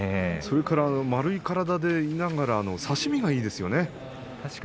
それから丸い体でいながらの差し身がいいですよね。